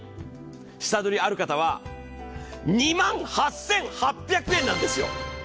下取りある方は、２万８８００円なんですよ。